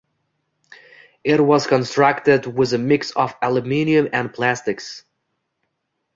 It was constructed with a mix of aluminium and plastics.